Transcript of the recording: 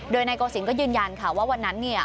โดยนายโกศิลป์ก็ยืนยันค่ะว่าวันนั้นเนี่ย